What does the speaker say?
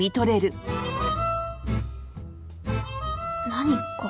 何か？